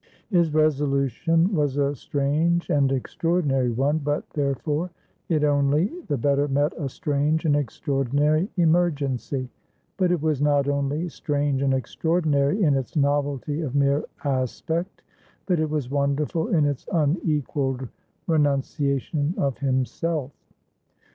His resolution was a strange and extraordinary one; but therefore it only the better met a strange and extraordinary emergency. But it was not only strange and extraordinary in its novelty of mere aspect, but it was wonderful in its unequaled renunciation of himself.